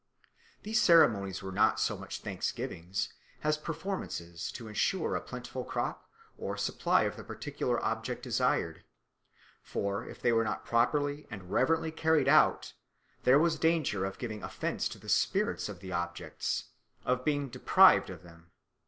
These ceremonies were not so much thanksgivings, as performances to ensure a plentiful crop or supply of the particular object desired, for if they were not properly and reverently carried out there was danger of giving offence to the 'spirits' of the objects, and being deprived of them."